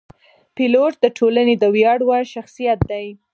پیلوټ د ټولنې د ویاړ وړ شخصیت دی.